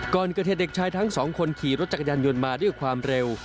ก่อนเกิดเหตุเด็กชายทั้งสองคนขี่รถจักรยานยนต์มาด้วยความเร็ว